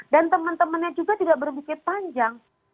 dan teman temannya juga tidak berpikir panjang